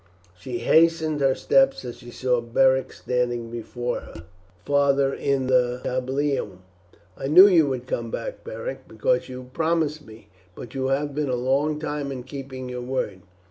She hastened her steps as she saw Beric standing before her father in the tablinum. "I knew you would come back, Beric, because you promised me; but you have been a long time in keeping your word."